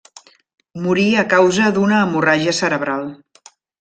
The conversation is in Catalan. Morí a causa d'una hemorràgia cerebral.